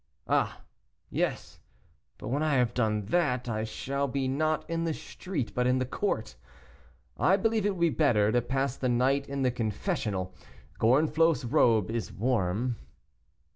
Ah! yes, but when I have done that, I shall be, not in the street, but in the court. I believe it will be better to pass the night in the confessional; Gorenflot's robe is warm."